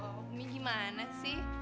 loh umi gimana sih